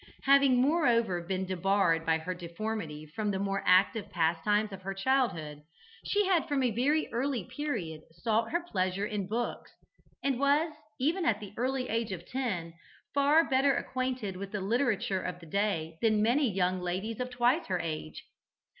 Having moreover been debarred by her deformity from the more active pastimes of childhood, she had from a very early period sought her pleasure in books, and was, even at the early age of ten, far better acquainted with the literature of the day than many young ladies of twice her age.